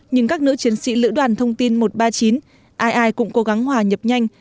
nhưng các nữ chiến sĩ lữ đoàn thông tin một trăm ba mươi chín ai ai cũng cố gắng hòa nhập nhanh